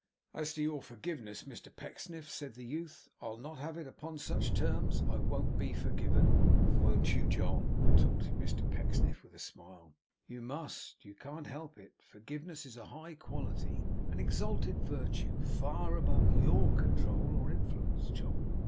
'As to your forgiveness, Mr Pecksniff,' said the youth, 'I'll not have it upon such terms. I won't be forgiven.' 'Won't you, John?' retorted Mr Pecksniff, with a smile. 'You must. You can't help it. Forgiveness is a high quality; an exalted virtue; far above YOUR control or influence, John.